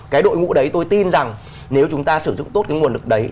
cái đội ngũ đấy tôi tin rằng nếu chúng ta sử dụng tốt cái nguồn lực đấy